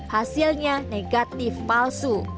hasilnya negatif palsu